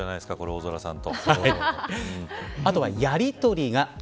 大空さんと。